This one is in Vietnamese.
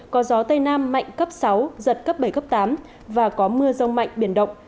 có gió tây nam mạnh cấp sáu giật cấp bảy cấp tám và có mưa rông mạnh biển động